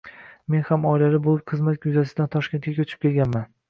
Men ham oilali bo‘lib xizmat yuzasidan Toshkentga ko‘chib kelganman.